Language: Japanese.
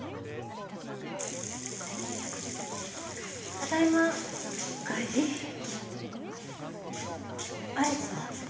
ただいまお帰り有栖は？